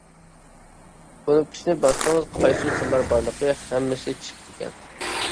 كۇنۇپكىسىنى باسسىڭىز، قايسى تىللار بارلىقى ھەممىسى چىقىدىكەن.